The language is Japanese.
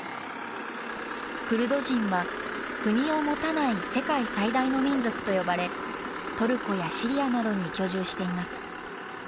クルド人は、国を持たない世界最大の民族と呼ばれ、トルコやシリアなどに居住しています。